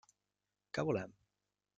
Què volem?